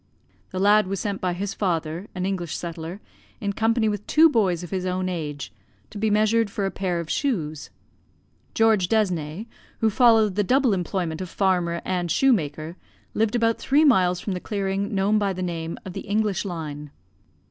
The lad was sent by his father, an English settler, in company with two boys of his own age, to be measured for a pair of shoes. George Desne, who followed the double employment of farmer and shoemaker, lived about three miles from the clearing known by the name of the English line.